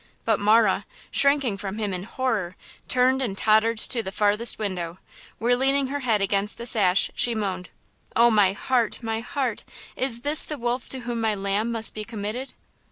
But Marah, shrinking from him in horror, turned and tottered to the farthest window, where, leaning her head against the sash, she moaned: "Oh, my heart: my heart! Is this the wolf to whom my lamb must be committed?"